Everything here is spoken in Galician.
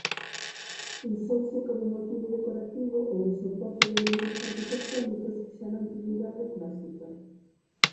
Usouse como motivo decorativo ou de soporte de elementos arquitectónicos xa na antigüidade clásica.